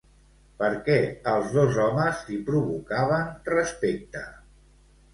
Per què els dos homes li provocaven respecte?